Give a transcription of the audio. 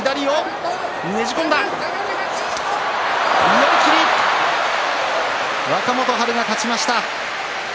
寄り切り若元春が勝ちました。